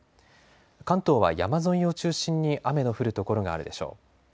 関東は山沿いを中心に雨の降る所があるでしょう。